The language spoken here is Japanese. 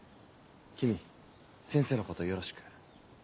君先生のことよろしく。